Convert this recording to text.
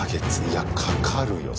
いやかかるよ